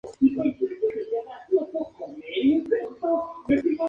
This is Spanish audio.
Un atractivo particular es el impresionante Cañón del Valle de Toro Toro.